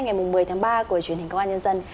ngày một mươi tháng ba của truyền hình công an nhân dân